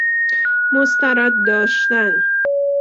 مسترد داشتن